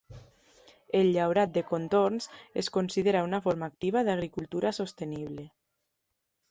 El llaurat de contorns es considera una forma activa d'agricultura sostenible.